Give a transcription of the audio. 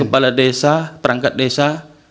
kepala desa perangkat desa